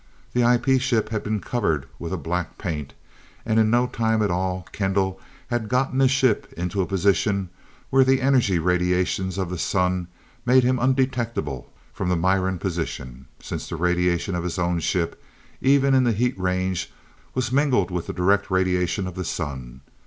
The IP ships had been covered with a black paint, and in no time at all, Kendall had gotten his ship into a position where the energy radiations of the sun made him undetectable from the Miran's position, since the radiation of his own ship, even in the heat range, was mingled with the direct radiation of the sun.